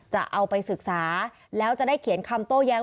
จะเอาไปศึกษาแล้วจะได้เขียนคำโต้แย้ง